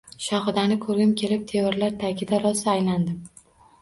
Shohidani ko‘rgim kelib devorlar tagida rosa aylandim